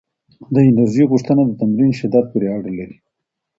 د انرژۍ غوښتنه د تمرین شدت پورې اړه لري؟